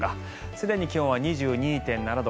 すでに気温は２２．７度。